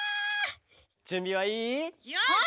じゅんびはいい？